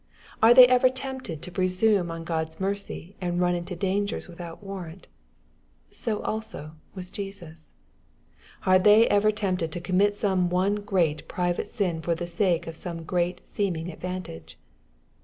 — ^Are they ev3r tempted to pre gume on God's mercy, and run into danger without warrant ? So also was Jesus. — ^Are they ever tempted to commjtjome^one^at private sin for the sake of some great seeming advantage